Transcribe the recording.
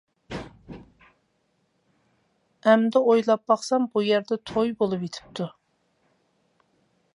ئەمدى ئويلاپ باقسام بۇ يەردە توي بولۇۋېتىپتۇ.